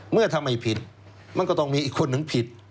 เมื่อทำไมผิดมันก็ต้องมีอีกคนนึงผิด